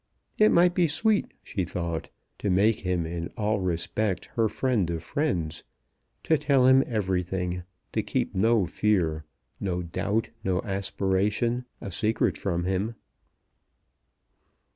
It might be sweet, she thought, to make him in all respects her friend of friends; to tell him everything; to keep no fear, no doubt, no aspiration a secret from him.